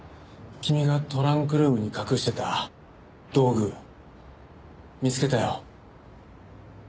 君がトランクルームに隠してた道具見つけたよ。